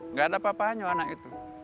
nggak ada apa apanya anak itu